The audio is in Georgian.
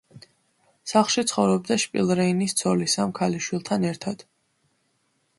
სახლში ცხოვრობდა შპილრეინის ცოლი სამ ქალიშვილთან ერთად.